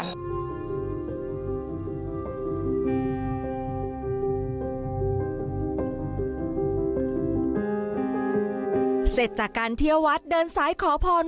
เสร็จจากการเที่ยววัดเดินสายขอพร